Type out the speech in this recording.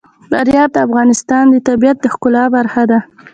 فاریاب د افغانستان د طبیعت د ښکلا برخه ده.